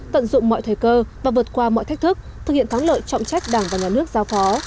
tận dụng mọi thời cơ và vượt qua mọi thách thức thực hiện thắng lợi trọng trách đảng và nhà nước giao phó